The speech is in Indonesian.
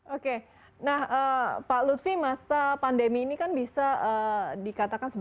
oke pak lutfi masa pandemi ini kan bisa dikatakan